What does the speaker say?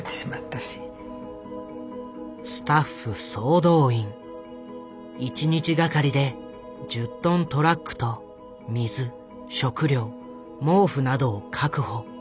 スタッフ総動員一日がかりで１０トントラックと水食料毛布などを確保。